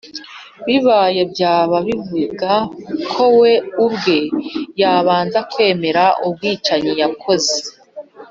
bibaye byaba bivuga ko we ubwe yabanza kwemera ubwicanyi yakoze.